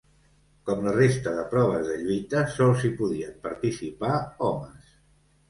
Com la resta de proves de lluita sols hi podien participar homes.